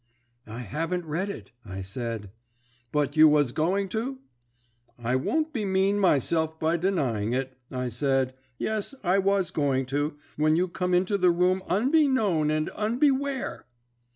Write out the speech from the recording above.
"'I haven't read it,' I said. "'But you was going to?' "'I won't bemean myself by denying it,' I said. 'Yes, I was going to, when you come into the room unbeknown and unbeware.'